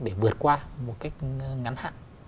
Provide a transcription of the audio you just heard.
để vượt qua một cách ngắn hạn